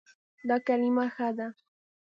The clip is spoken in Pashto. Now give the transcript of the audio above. دا کلمه ښه ده